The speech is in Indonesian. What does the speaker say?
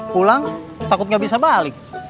pulang takut nggak bisa balik